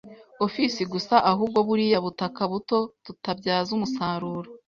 office gusa ahubwo, buriya butaka buto tutabyaza umusaruro